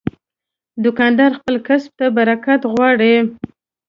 دوکاندار خپل کسب ته برکت غواړي.